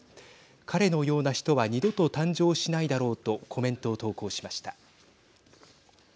彼のような人は二度と誕生しないだろうとコメントを投稿しました。